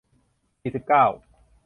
สี่สิบเก้า